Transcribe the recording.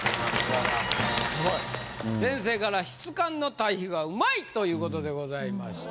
先生から「質感の対比がうまい！」ということでございました。